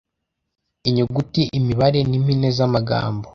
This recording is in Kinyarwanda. inyuguti imibare n impine z amagambo